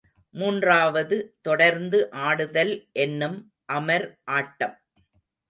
மூன்றாவது தொடர்ந்து ஆடுதல் என்னும் அமர் ஆட்டம்.